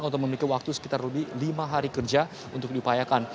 untuk memiliki waktu sekitar lebih lima hari kerja untuk diupayakan